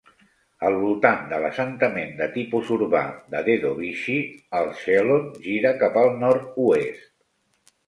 Al voltant de l'assentament de tipus urbà de Dedovichi, el Shelon gira cap al nord-oest.